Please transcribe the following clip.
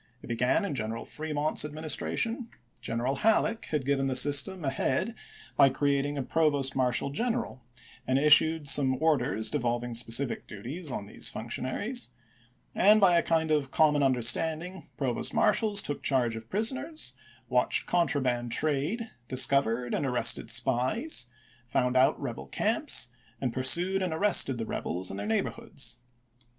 It began in General Fremont's adminis tration. .. General Halleek had given the system a head by creating a provost marshal general, and issued some * orders devolving specific duties on these functionaries, and, by a kind of common understanding, provost mar shals took charge of prisoners, watched contraband trade, discovered and arrested spies, found out rebel camps, and pursued and arrested the rebels in their neighborhoods.